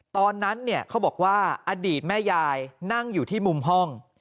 ตอนนั้นเนี่ยเขาบอกว่าอดีตแม่ยายนั่งอยู่ที่มุมห้อง